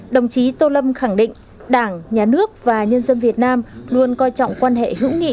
đồng chí tô lâm khẳng định đảng nhà nước và nhân dân việt nam luôn coi trọng quan hệ hữu nghị